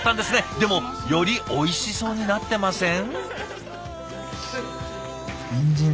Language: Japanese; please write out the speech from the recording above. でもよりおいしそうになってません？